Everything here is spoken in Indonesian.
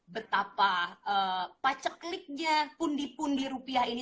betapa pacekliknya pundi pundi rupiah ini